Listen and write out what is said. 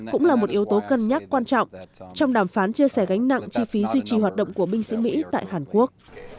cũng là một yếu tố cân nhắc quan trọng trong đàm phán chia sẻ gánh nặng chi phí duy trì hoạt động của binh sĩ mỹ tại hàn quốc